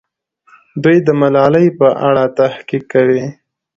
دوی د ملالۍ په اړه تحقیق کوي.